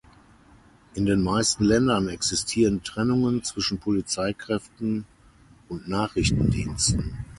In den meisten Ländern existieren Trennungen zwischen Polizeikräften und Nachrichtendiensten.